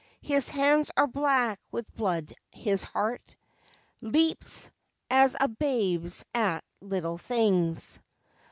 His hands are black with blood: his heart Leaps, as a babe's, at little things.